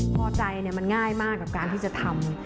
พอใจมันง่ายมากกับการที่จะทำ